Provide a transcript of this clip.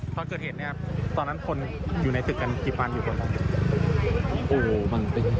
ตอนเกิดเหตุเนี่ยครับตอนนั้นคนอยู่ในตึกกันกี่บาทอยู่บนครับ